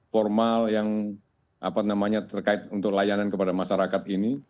dan kemudian juga keuangan formal yang terkait untuk layanan kepada masyarakat ini